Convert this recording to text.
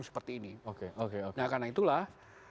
seperti ini nah karena itulah